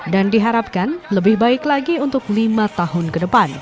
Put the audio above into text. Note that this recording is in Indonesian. dan diharapkan lebih baik lagi untuk lima tahun ke depan